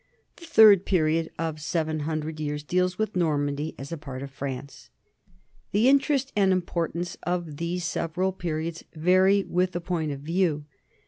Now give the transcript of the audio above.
The third period of seven hundred years deals with Normandy as a part of France. The interest and importance of these several periods vary with the point of view.